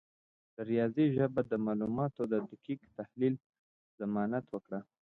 د ریاضي ژبه د معلوماتو د دقیق تحلیل ضمانت وکړه.